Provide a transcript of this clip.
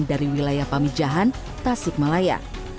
dari wilayah pamijahan tasik malaya